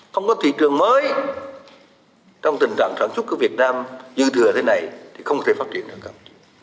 không có thị trường mới trong tình trạng sản xuất của việt nam dư thừa thế này thì không thể phát triển được không